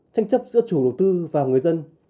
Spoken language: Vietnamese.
tranh chấp giữa chủ đầu tư và người dân